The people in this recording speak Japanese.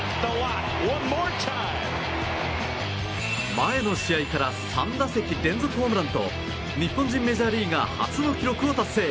前の試合から３打席連続ホームランと日本人メジャーリーガー初の記録を達成。